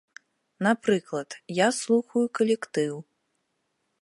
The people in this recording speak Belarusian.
Напрыклад, я слухаю калектыў.